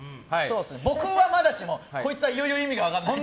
僕はまだしも、こいつはいよいよ意味が分からない。